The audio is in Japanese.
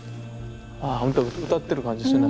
ああほんと歌ってる感じですよね